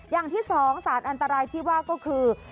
อย่างที่๒สารอันตรายที่ว่าก็คือ